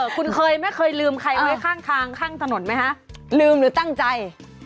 คุณเคยไม่เคยลืมใครไว้ข้างทางข้างถนนไหมคะลืมหรือตั้งใจ